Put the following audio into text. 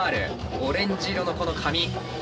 オレンジ色のこの髪。